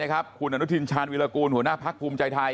คุณอณุธินชานวิลกูลหัวหน้าพักควมใจไทย